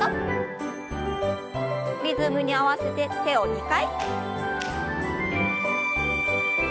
リズムに合わせて手を２回。